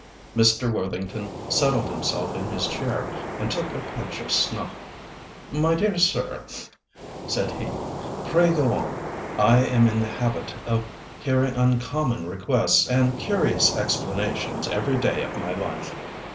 Mr. Worthington settled himself in his chair and took a pinch of snuff. "My dear sir," said he, "pray go on. I am in the habit of hearing uncommon requests and curious explanations every day of my life."